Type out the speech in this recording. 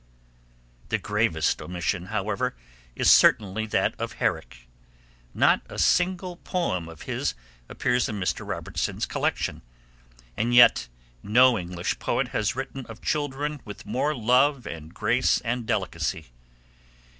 The gravest omission, however, is certainly that of Herrick. Not a single poem of his appears in Mr. Robertson's collection. And yet no English poet has written of children with more love and grace and delicacy.